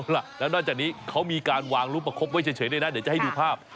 ล่ะแล้วนอกจากนี้เขามีการวางรูปประคบไว้เฉยด้วยนะเดี๋ยวจะให้ดูภาพ